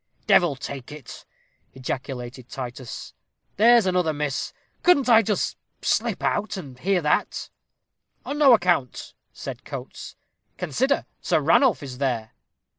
"Devil take it," ejaculated Titus, "there's another miss! Couldn't I just slip out, and hear that?" "On no account," said Coates. "Consider, Sir Ranulph is there."